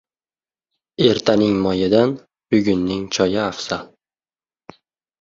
• Ertaning moyidan bugunning choyi afzal.